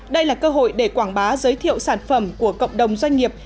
đây là cơ hội để quảng bá giới thiệu sản phẩm của cộng đồng doanh nghiệp